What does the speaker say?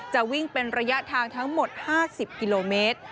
จะวิ่งเป็นระยะทางทั้งหมด๕๐กิโลเมตร